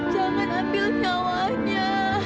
jangan ambil nyawanya